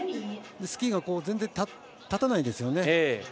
スキーが全然立たないですよね。